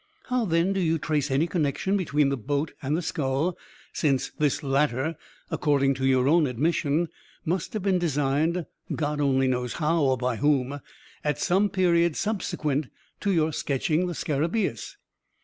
How then do you trace any connection between the boat and the skull since this latter, according to your own admission, must have been designed (God only knows how or by whom) at some period subsequent to your sketching the scarabaeus?"